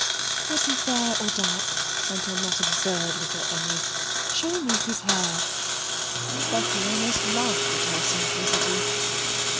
"Was he fair or dark?" went on that absurd little Emmy. "Show me his hair." Becky almost laughed at her simplicity.